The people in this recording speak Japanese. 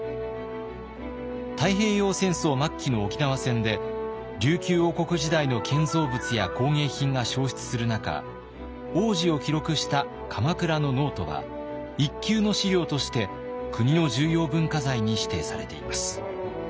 太平洋戦争末期の沖縄戦で琉球王国時代の建造物や工芸品が焼失する中往時を記録した鎌倉のノートは一級の資料として国の重要文化財に指定されています。